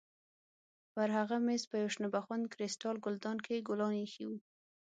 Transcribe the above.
پر هغه مېز په یوه شنه بخون کریسټال ګلدان کې ګلان ایښي وو.